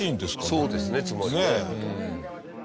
そうですねつまりね。